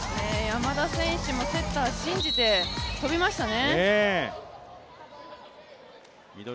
山田選手もセッターを信じて跳びましたね。